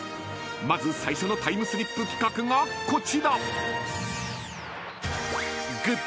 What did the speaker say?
［まず最初のタイムスリップ企画がこちら］